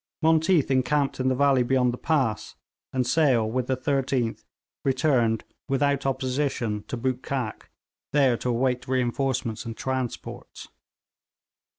Monteath encamped in the valley beyond the pass, and Sale, with the 13th, returned without opposition to Bootkhak, there to await reinforcements and transports.